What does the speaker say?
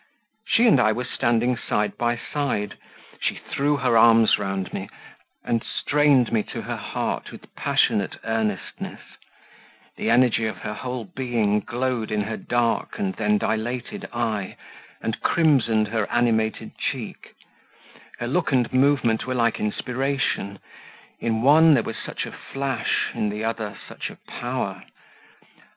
She and I were standing side by side; she threw her arms round me, and strained me to her heart with passionate earnestness: the energy of her whole being glowed in her dark and then dilated eye, and crimsoned her animated cheek; her look and movement were like inspiration; in one there was such a flash, in the other such a power.